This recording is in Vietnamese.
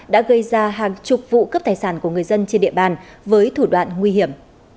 đã gây ra hàng chục vụ cướp tài sản của người dân trên địa bàn với thủ đoạn nguy hiểm